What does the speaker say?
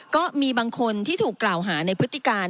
ก็มีบางคนที่ถูกกล่าวหาในพฤติการ